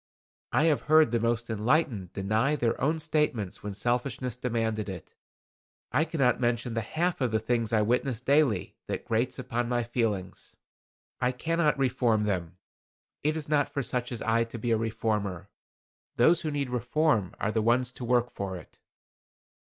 I have heard the most enlightened deny their own statements when selfishness demanded it. I cannot mention the half of the things I witness daily that grates upon my feelings. I cannot reform them. It is not for such as I to be a reformer. Those who need reform are the ones to work for it."